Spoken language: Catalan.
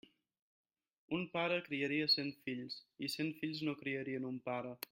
Un pare criaria cent fills, i cent fills no criarien un pare.